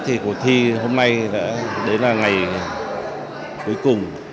thì hôm nay đã đến là ngày cuối cùng